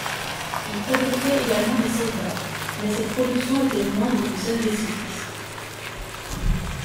Il fabriquait également des soldats mais cette production était moindre que celle des cyclistes.